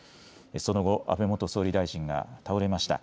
その後、安倍元総理大臣が倒れました。